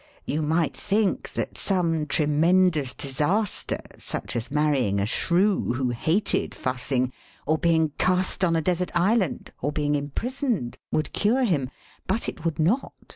You might think that some tremendous disaster — ^such as marrying a shrew who hated fussing, or being cast on a desert island, or being imprisoned — would cure him. But it would not.